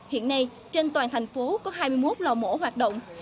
hiện nay trên toàn thành phố có hai mươi một lò mổ hoạt động